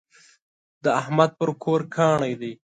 د احمد پر کور کاڼی دی.